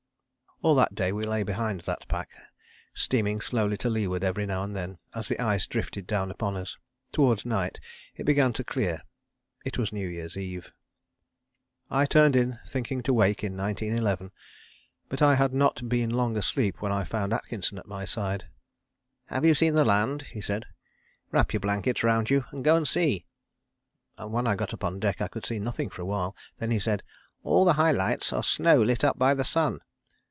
" All that day we lay behind that pack, steaming slowly to leeward every now and then, as the ice drifted down upon us. Towards night it began to clear. It was New Year's Eve. I turned in, thinking to wake in 1911. But I had not been long asleep when I found Atkinson at my side. "Have you seen the land?" he said. "Wrap your blankets round you, and go and see." And when I got up on deck I could see nothing for a while. Then he said: "All the high lights are snow lit up by the sun."